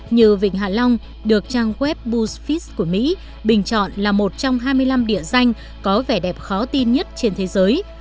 như vịnh hạ long được trang web boosfice của mỹ bình chọn là một trong hai mươi năm địa danh có vẻ đẹp khó tin nhất trên thế giới